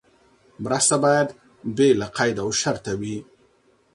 مرسته باید بې له قید او شرطه وي.